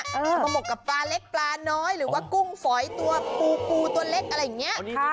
ผมกกับปลาเล็กปลาน้อยหรือว่ากุ้งฝอยตัวปูปูตัวเล็กอะไรอย่างนี้